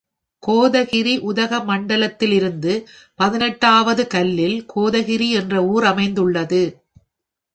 கோதகிரி உதகமண்டலத்திலிருந்து பதினெட்டு ஆவது கல்லில் கோதகிரி என்ற ஊர் அமைந்துள்ளது.